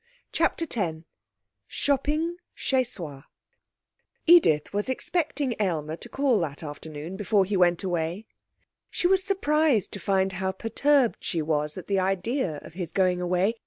CHAPTER X Shopping Chez Soi Edith was expecting Aylmer to call that afternoon before he went away. She was surprised to find how perturbed she was at the idea of his going away.